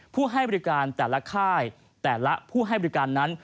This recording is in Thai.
ให้บริการแต่ละค่ายแต่ละผู้ให้บริการนั้น